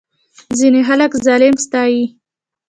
ځینې خلک ظالم ستایي.